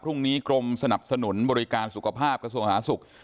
พรุ่งนี้กรมสนับสนุนบริการสุขภาพกระทรวงอาหารสุข